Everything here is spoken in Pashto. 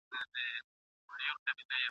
ډیپلوماټیک استازي د هېواد سفیران وي.